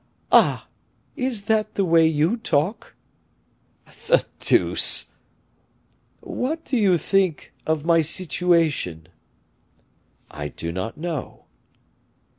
"Ah! is that the way you talk?" "The deuce!" "What do you think of my situation?" "I do not know."